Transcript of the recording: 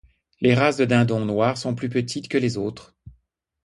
Les races de dindon noir sont plus petites que les autres.